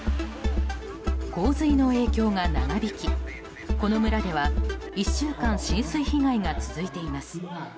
洪水の影響が長引き、この村では１週間浸水被害が続いています。